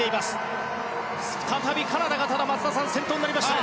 再びカナダが先頭になりました。